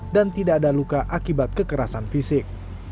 dan tidak ada luka akibat kekerasan fisik